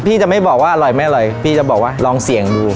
พี่จะไม่บอกว่าอร่อยไม่อร่อยพี่จะบอกว่าลองเสี่ยงดู